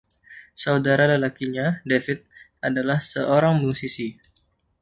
Saudara lelakinya, David, adalah seorang musisi.